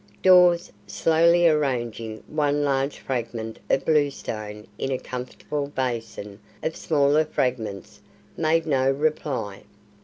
Dawes, slowly arranging one large fragment of bluestone in a comfortable basin of smaller fragments, made no reply.